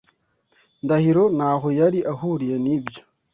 Ndahiro ntaho yari ahuriye nibyo.